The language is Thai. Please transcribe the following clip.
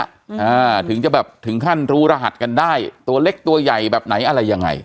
อ่าถึงจะแบบถึงขั้นรู้รหัสกันได้ตัวเล็กตัวใหญ่แบบไหนอะไรยังไง